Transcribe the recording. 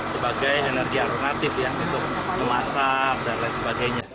sebagai energi alternatif ya untuk memasak dan lain sebagainya